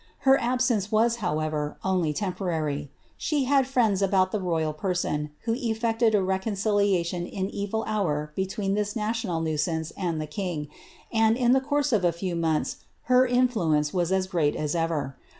Her absence was, however, only tcmponiy; slic had friends about the royal person, who eflected a rcconeiliation is evil hour between this national nuisance and the king, and, in the cotuse i>r a few months, her influence was as great as ever.